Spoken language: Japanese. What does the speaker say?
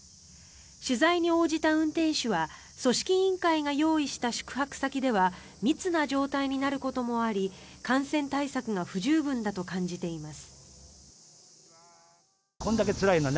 取材に応じた運転手は組織委員会が用意した宿泊先では密な状態になることもあり感染対策が不十分だと感じています。